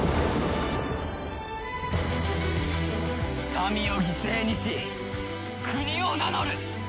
民を犠牲にし国を名乗る。